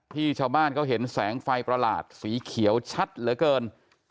ชาวบ้านเขาเห็นแสงไฟประหลาดสีเขียวชัดเหลือเกิน